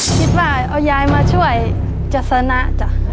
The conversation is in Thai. คิดว่าเอายายมาช่วยจัดสนะจ้ะ